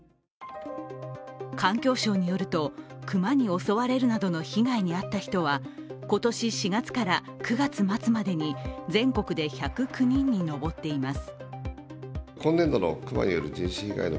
環境省によると熊に襲われるなどの被害に遭った人は、今年４月から９月末までに全国で１０９人に上っています。